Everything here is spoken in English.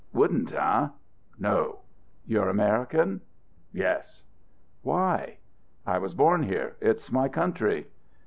"Wouldn't, eh?" "No." "You're American?" "Yes." "Why?" "I was born here. It's my country."